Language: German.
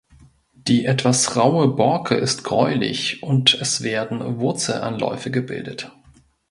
Die etwas raue Borke ist gräulich und es werden Wurzelanläufe gebildet.